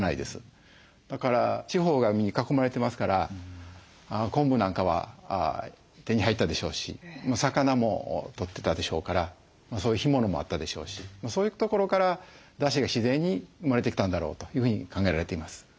だから四方が海に囲まれてますから昆布なんかは手に入ったでしょうし魚も取ってたでしょうからそういう干物もあったでしょうしそういうところからだしが自然に生まれてきたんだろうというふうに考えられています。